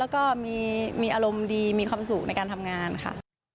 แล้วก็มีอารมณ์ดีมีความสุขในการทำงานค่ะ